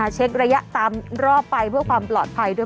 เช็กระยะตามรอบไปเพื่อความปลอดภัยด้วย